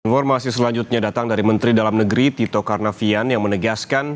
informasi selanjutnya datang dari menteri dalam negeri tito karnavian yang menegaskan